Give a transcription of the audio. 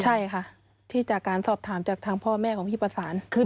ใช่ค่ะที่จากการสอบถามจากทางพ่อแม่ของพี่ประสานคือ